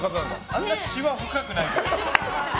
あんなにしわ深くないよ。